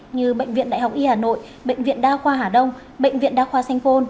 như bệnh viện đại học y hà nội bệnh viện đa khoa hà đông bệnh viện đa khoa sanh phôn